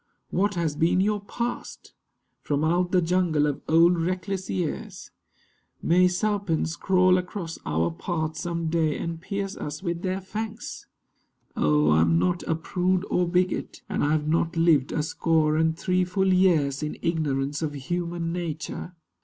What has been your past? From out the jungle of old reckless years, May serpents crawl across our path some day And pierce us with their fangs? Oh, I am not A prude or bigot; and I have not lived A score and three full years in ignorance Of human nature.